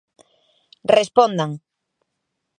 Respondan.